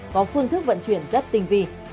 có phương thức vận chuyển rất tình vị